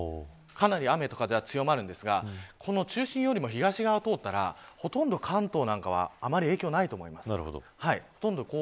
かなり雨と風が強まるんですがこの中心よりも東側を通ったらほとんど関東などはあまり影響がないと思います。